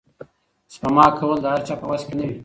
سپما کول د هر چا په وس کې نه وي.